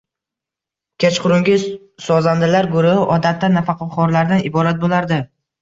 Kechqurungi sozandalar guruhi odatda nafaqaxoʻrlardan iborat boʻlardi